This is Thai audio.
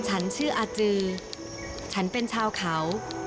ฉันชื่ออาจือฉันเป็นชาวเขา